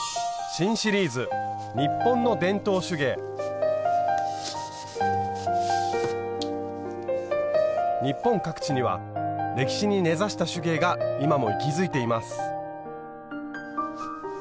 新シリーズ日本各地には歴史に根ざした手芸が今も息づいています。